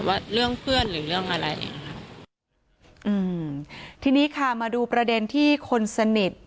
ว่าเรื่องเพื่อนหรือเรื่องอะไรอย่างเงี้ค่ะอืมทีนี้ค่ะมาดูประเด็นที่คนสนิท